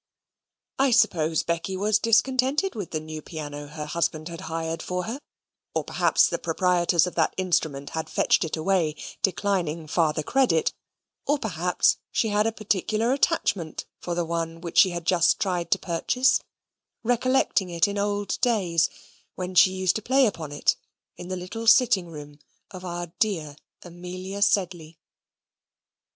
I suppose Becky was discontented with the new piano her husband had hired for her, or perhaps the proprietors of that instrument had fetched it away, declining farther credit, or perhaps she had a particular attachment for the one which she had just tried to purchase, recollecting it in old days, when she used to play upon it, in the little sitting room of our dear Amelia Sedley.